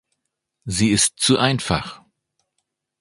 Sie ist zu einfach.